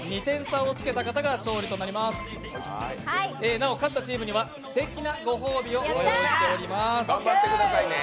なお勝ったチームにはすてきなご褒美を用意しています。